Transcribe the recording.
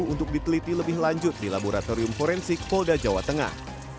untuk diteliti lebih lanjut di laboratorium forensik polda jawa tengah